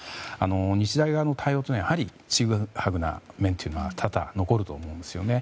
日大側の対応というのはやはり、ちぐはぐな面というのは多々残ると思うんですよね。